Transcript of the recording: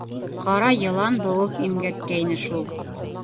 Ҡара йылан быуып имгәткәйне шул.